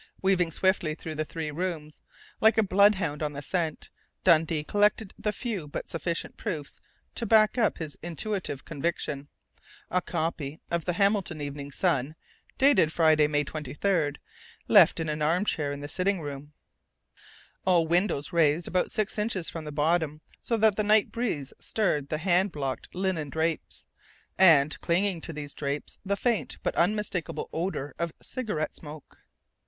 Weaving swiftly through the three rooms, like a bloodhound on the scent, Dundee collected the few but sufficient proofs to back up his intuitive conviction. A copy of The Hamilton Evening Sun, dated Friday, May 23, left in an armchair in the sitting room. All windows raised about six inches from the bottom, so that the night breeze stirred the hand blocked linen drapes. And, clinging to these drapes, the faint but unmistakable odor of cigarette smoke.